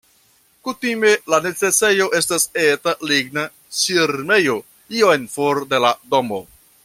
Kutime la necesejo estas eta ligna ŝirmejo iom for de la domo.